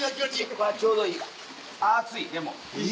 ちょうどいい熱いでも。